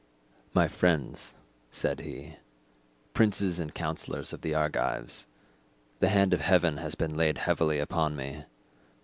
"My friends," said he, "princes and councillors of the Argives, the hand of heaven has been laid heavily upon me.